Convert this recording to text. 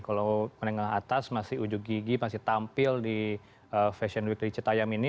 kalau menengah atas masih ujug gigi masih tampil di fashion weekly cetayam ini